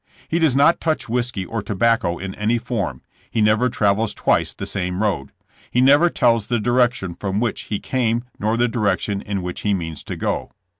He does not touch whiskey or tobacco in any form. He never travels twice the same road. He never tells the direction from which he came nor the direction in which he means to go.